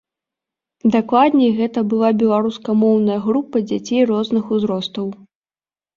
Дакладней, гэта была беларускамоўная група дзяцей розных узростаў.